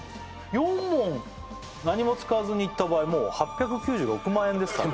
４問何も使わずにいった場合もう８９６万円ですからね